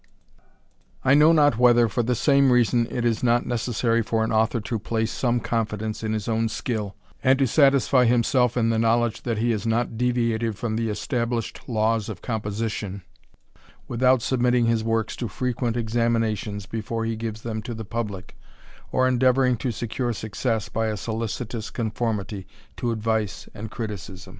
I know not whether, for the same reason, it is not necessaty for an author to place some confidence in his own skill, and to satisfy himself in the knowledge that be has not deviated from the established laws of com position, without submitting his works to frequent examina tions before he gives them to the publick, or endeavouring to secure success by a solicitous conformity to advice and criiici^m.